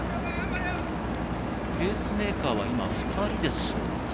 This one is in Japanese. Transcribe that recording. ペースメーカーは今２人でしょうか。